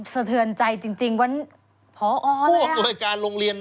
สะเทือนใจจริงว่าผออะไรอ่ะ